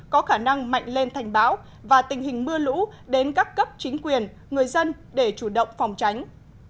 có khả năng mạnh lên thành bão và tình hình mưa lũ đến các cấp chính quyền người dân để chủ động phòng tránh